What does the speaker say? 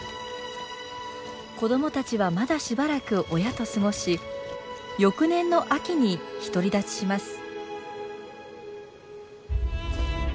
子どもたちはまだしばらく親と過ごし翌年の秋に独り立ちします。